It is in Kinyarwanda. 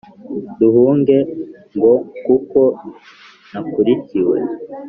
duhunge ngo kuko nakurikiwe